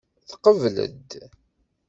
Tqebled?